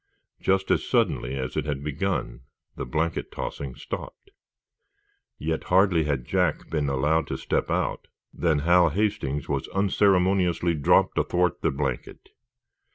Just as suddenly as it had begun the blanket tossing stopped. Yet, hardly had Jack been allowed to step out than Hal Hastings was unceremoniously dropped athwart the blanket.